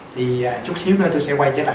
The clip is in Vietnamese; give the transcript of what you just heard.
thì chút xíu nữa tôi sẽ quay trở lại